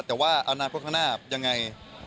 แต่ว่าอนาคตข้างหน้ายังไง